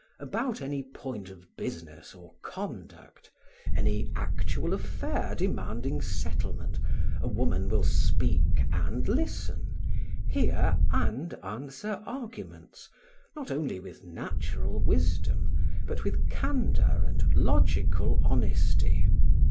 About any point of business or conduct, any actual affair demanding settlement, a woman will speak and listen, hear and answer arguments, not only with natural wisdom, but with candour and logical honesty.